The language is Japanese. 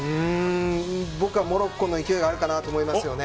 僕はモロッコの勢いがあるかなと思いますよね。